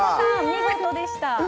見事でした